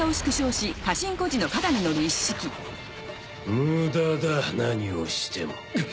無駄だ何をしても。